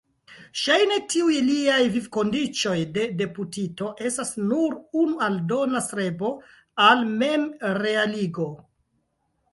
Ŝajne tiuj liaj vivkondiĉoj de deputito estas nur unu aldona strebo al memrealigo.